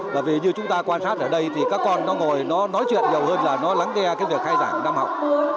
bởi vì như chúng ta quan sát ở đây thì các con nó ngồi nó nói chuyện nhiều hơn là nó lắng nghe cái việc khai giảng năm học